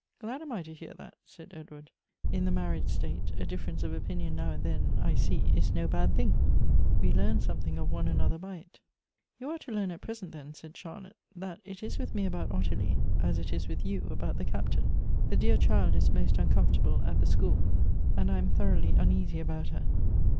"Glad am I to hear that," said Edward. "In the married state, a difference of opinion now and then, I see, id no bad thing; we learn something of one another by it." "You are to learn at present, then," said Charlotte, " that it is with me about Ottilie as it is with you about the Captain. The dear child is most uncomfortable at the school, and I am thoroughly uneasy about her.